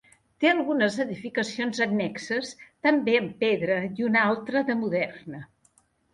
Té algunes edificacions annexes també en pedra i una altra de moderna.